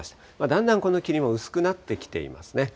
だんだんこの霧も薄くなってきていますね。